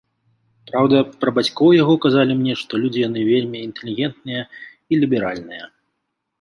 Праўда, пра бацькоў яго казалі мне, што людзі яны вельмі інтэлігентныя і ліберальныя.